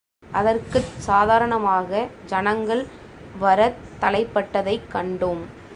அதற்குச் சாதாரணமாக ஜனங்கள் வரத் தலைப்பட்டதைக் கண்டோம்.